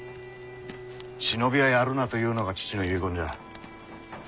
忍びはやるなというのが父の遺言じゃ。